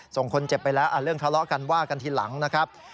ส่งคนเจ็บไปแล้วเรื่องทะเลาะกันว่ากันทีหลังนะครับ